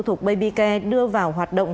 thuộc baby care đưa vào hoạt động